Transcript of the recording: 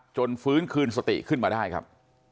ฟื้นคืนสติขึ้นมาได้ครับ